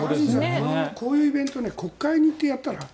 こういうイベント国会に行ってやったら？